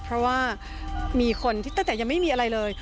เพราะว่ามีคนที่ตั้งแต่ยังไม่มีอะไรเลย